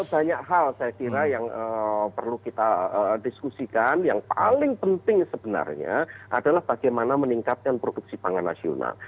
jadi banyak hal saya kira yang perlu kita diskusikan yang paling penting sebenarnya adalah bagaimana meningkatkan produksi pangan nasional